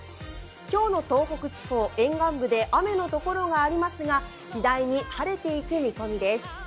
今日の東北地方、沿岸部で雨のところがありますが、次第に晴れていく見込みです。